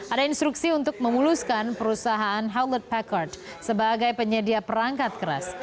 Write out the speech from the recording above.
ada instruksi untuk memuluskan perusahaan howled packerd sebagai penyedia perangkat keras